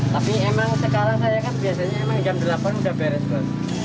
tapi emang sekarang saya kan biasanya emang jam delapan udah beres kok